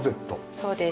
そうです。